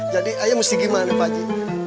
jadi ayah mesti gimana pak ji